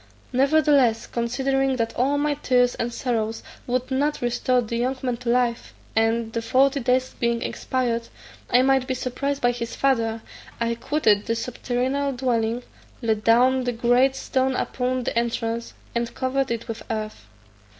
Nevertheless, considering that all my tears and sorrows would not restore the young man to life, and, the forty days being expired, I might be surprised by his father, I quitted the subterranean dwelling, laid down the great stone upon the entrance, and covered it with earth.